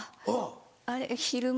あれ昼間。